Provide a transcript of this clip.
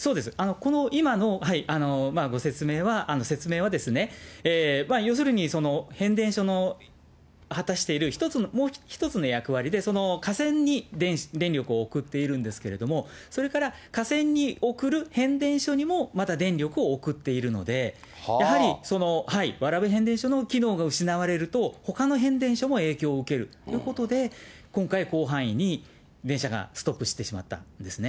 この今のご説明は、要するに変電所の果たしている一つの役割で、その歌仙に電力を送っているんですけれども、それから、架線に送る変電所にもまた電力を送っているので、やはり、蕨変電所の機能が失われると、ほかの変電所も影響を受けるということで、今回、広範囲に電車がストップしてしまったんですね。